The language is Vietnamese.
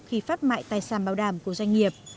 khi phát mại tài sản bảo đảm của doanh nghiệp